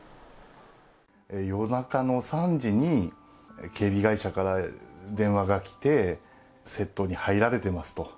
夜中の３時に、警備会社から電話が来て、窃盗に入られてますと。